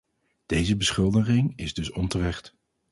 Deze beschuldiging is dus onterecht.